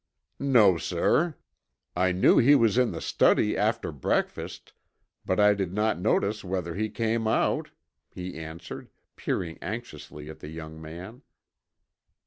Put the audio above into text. "No, sir. I knew he was in the study after breakfast but I did not notice whether he came out," he answered, peering anxiously at the young man.